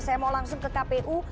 saya mau langsung ke kpu